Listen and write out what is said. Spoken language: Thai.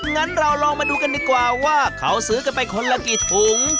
งั้นเราลองมาดูกันดีกว่าว่าเขาซื้อกันไปคนละกี่ถุง